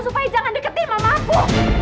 supaya jangan deketin mamaku